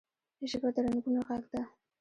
ژبه د رنګونو غږ ده